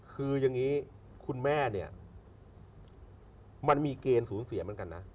คืออย่างนี้คุณแม่เนี่ยมันมีเกณฑ์สูญเสียเหมือนกันนะ